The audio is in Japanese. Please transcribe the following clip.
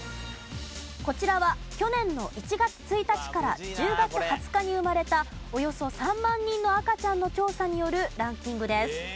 こちらは去年の１月１日から１０月２０日に生まれたおよそ３万人の赤ちゃんの調査によるランキングです。